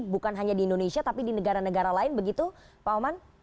bukan hanya di indonesia tapi di negara negara lain begitu pak oman